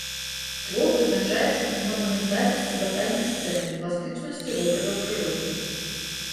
Твор вызначаецца манументальнасцю батальных сцэн, пластычнасцю вобразаў прыроды.